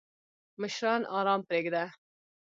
مشران آرام پریږده!